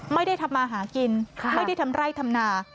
ไม่ได้ทำมาหากินไม่ได้ทำไร่ทำนา